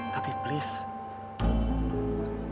tapi please aku mau berbicara denganmu